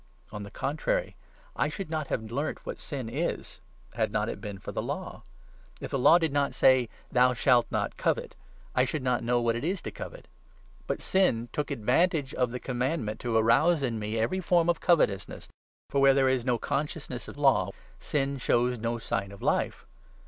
On the contrary, I should not have learnt what sin is, had not it been for Law. If the Law did not say ' Thou shalt not covet,' I should not know what it is to covet. But sin took advantage of the Commandment to 8 arouse in me every form of covetousness, for where there is no consciousness of Law sin shows no sign of life.